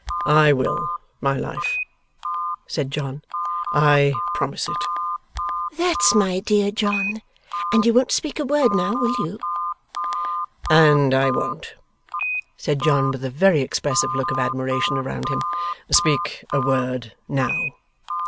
'I will, my Life,' said John. 'I promise it.' 'That's my dear John. And you won't speak a word now; will you?' 'And I won't,' said John, with a very expressive look of admiration around him, 'speak a word now!